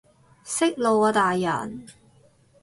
息怒啊大人